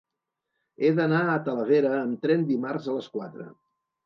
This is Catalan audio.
He d'anar a Talavera amb tren dimarts a les quatre.